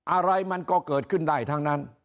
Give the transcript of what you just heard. อะไรมันก็เกิดขึ้นได้ทั้งนั้น